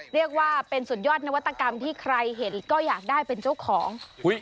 เรียกว่าเป็นสุดยอดนวัตกรรมที่ใครเห็นก็อยากได้เป็นเจ้าของ